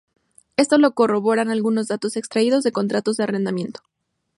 Esto lo corroboran algunos datos extraídos de contratos de arrendamiento.